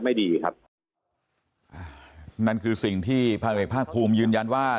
ไม่ได้ติดต่อกันติดต่อไม่ได้ครับเพราะว่าเขา